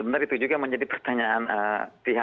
benar itu juga menjadi pertanyaan pihak